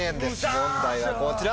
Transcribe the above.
問題はこちら。